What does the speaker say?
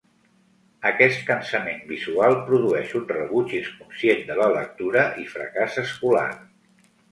Aquest cansament visual produeix un rebuig inconscient de la lectura i fracàs escolar.